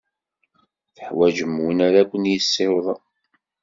Teḥwajem win ara ken-yessiwḍen?